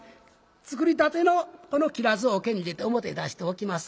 作りたてのこのきらずを桶に入れて表へ出しておきます。